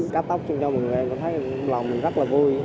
cắt tóc cho mọi người em tôi thấy lòng mình rất là vui